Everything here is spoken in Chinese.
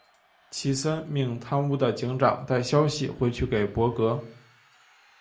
齐森命贪污的警长带消息回去给柏格。